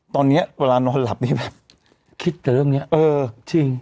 ตอนเนี้ยเวลานอนหลับนี่แบบคิดเติมเนี้ยเออจริง